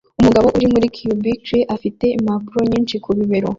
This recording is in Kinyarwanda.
Umugabo uri muri cubicle afite impapuro nyinshi ku bibero